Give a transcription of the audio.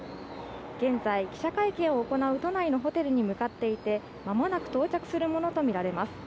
現在、記者会見を行う都内のホテルに向かっていて、まもなく到着するものとみられます。